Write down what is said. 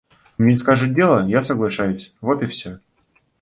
Мне скажут дело, я соглашаюсь, вот и все.